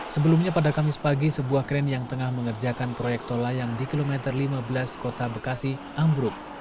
sebelumnya pada kamis pagi sebuah kren yang tengah mengerjakan proyek tol layang di kilometer lima belas kota bekasi ambruk